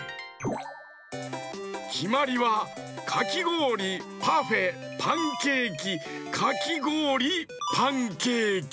きまりはかきごおりパフェパンケーキかきごおりパンケーキ。